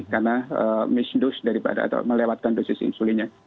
karena misdose daripada atau melewatkan dosis insulinnya